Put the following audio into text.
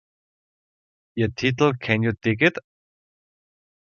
Ihr Titel "Can You Dig It?"